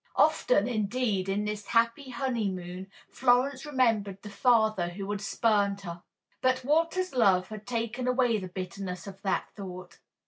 Often, indeed, in this happy honeymoon Florence remembered the father who had spurned her. But Walter's love had taken away the bitterness of that thought.